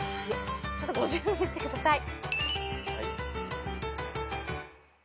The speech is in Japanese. ちょっと５０見してください。